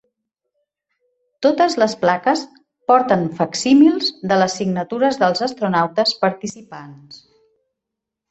Totes les plaques porten facsímils de les signatures dels astronautes participants.